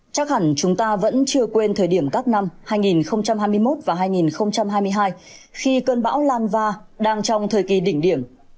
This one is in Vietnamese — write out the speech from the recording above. chắc hẳn chúng ta vẫn chưa quên thời điểm các năm hai nghìn hai mươi một và hai nghìn hai mươi hai khi cơn bão lan va đang trong thời kỳ đỉnh điểm